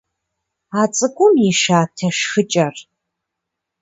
А цӏыкӏум и шатэ шхыкӏэр.